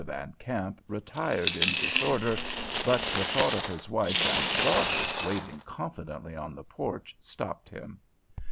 Van Kamp retired in disorder, but the thought of his wife and daughter waiting confidently on the porch stopped him.